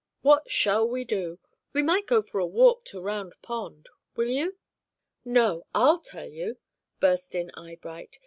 What shall we do? We might go for a walk to Round Pond; will you?" "No; I'll tell you," burst in Eyebright.